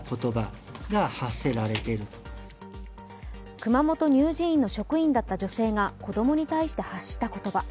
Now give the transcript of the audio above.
熊本乳児院の職員だった女性が子供に対して発した言葉。